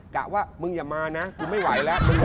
กะว่ามึงอย่ามานะกูไม่ไหวแล้ว